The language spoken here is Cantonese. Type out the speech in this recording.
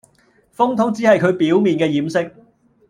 風筒只係佢表面嘅掩飾